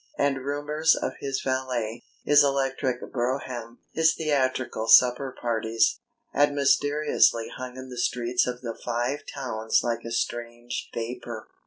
And rumours of his valet, his electric brougham, his theatrical supper parties, had mysteriously hung in the streets of the Five Towns like a strange vapour.